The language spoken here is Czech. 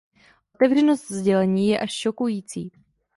Otevřenost sdělení je až šokující.